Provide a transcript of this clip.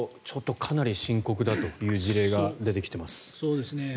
ちょっと、かなり深刻だという事例が出てきています。